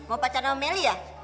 mau pacar sama melly ya